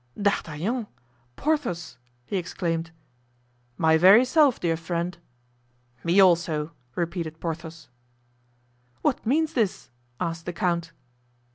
"D'Artagnan! Porthos!" he exclaimed. "My very self, dear friend." "Me, also!" repeated Porthos. "What means this?" asked the count.